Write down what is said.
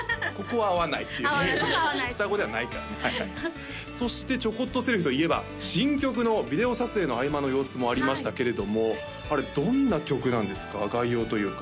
はいはいそしてちょこっとセルフィーといえば新曲のビデオ撮影の合間の様子もありましたけれどもあれどんな曲なんですか？